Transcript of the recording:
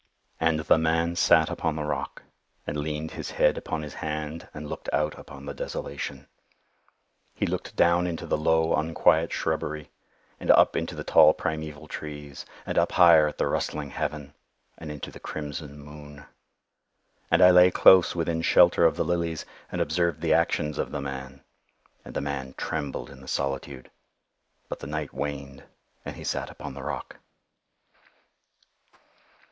"And the man sat upon the rock, and leaned his head upon his hand, and looked out upon the desolation. He looked down into the low unquiet shrubbery, and up into the tall primeval trees, and up higher at the rustling heaven, and into the crimson moon. And I lay close within shelter of the lilies, and observed the actions of the man. And the man trembled in the solitude;—but the night waned, and he sat upon the rock.